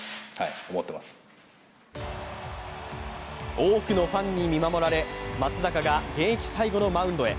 多くのファンに見守られ松坂が現役最後のマウンドへ。